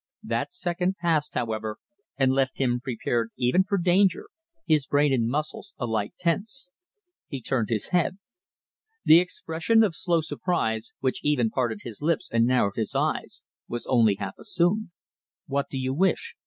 That second passed, however, and left him prepared even for danger, his brain and muscles alike tense. He turned his head. The expression of slow surprise, which even parted his lips and narrowed his eyes, was only half assumed. "What do you wish?"